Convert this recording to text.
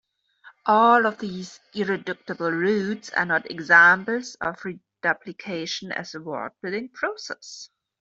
All of these irreducible roots are not examples of reduplication as a word-building process.